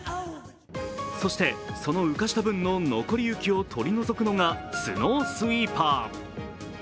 そして、その浮かした分の残り雪を取り除くのがスノースイーパー。